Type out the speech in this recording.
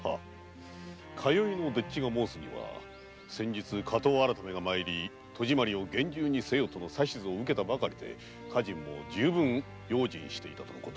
通いの丁稚が申すには先日「火盗改」が参り戸締まりを厳重にせよとの指図を受けたばかりで家人も十分用心していたとのこと。